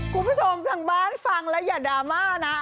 คุณผู้ชมทางบ้านฟังแล้วอย่าดราม่านะ